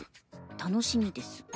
楽しみです」。